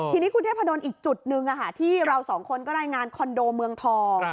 ทีนี้คุณเทพดนอีกจุดหนึ่งที่เราสองคนก็รายงานคอนโดเมืองทอง